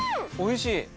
おいしい！